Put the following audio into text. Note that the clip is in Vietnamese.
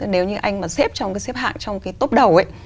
nếu như anh mà xếp trong cái xếp hạng trong cái tốp đầu ấy